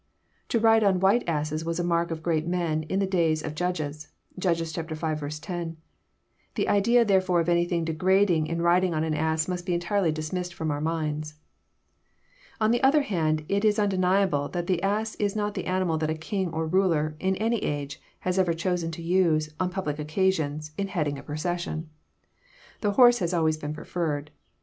To ride on white asses was a mark of great men in the days of the Judges. (Judges v. 10.) The idea therefore of anything degrading in riding on an ass must be entirely dismissed from our minds. On the other hand, it is undeniable that the ass is not the animal that a king or ruler, in any age, has ever chosen to use, on public occasions, in heading a procession. The horse has always been preferred.